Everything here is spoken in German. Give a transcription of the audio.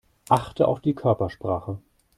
Achte auf die Körpersprache.